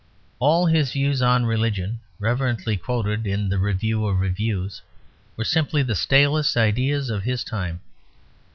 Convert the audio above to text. All his views on religion (reverently quoted in the Review of Reviews) were simply the stalest ideas of his time.